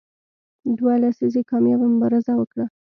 دوه لسیزې کامیابه مبارزه وکړه.